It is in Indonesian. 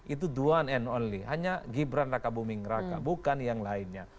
itu the one and only hanya gibran raka buming raka bukan yang lainnya